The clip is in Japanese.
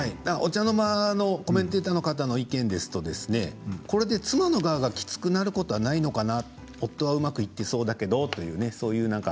お茶の間のコメンテーターの方の意見ですとこれで妻の側がきつくなることはないのかな、夫がうまくいってそうだけどという。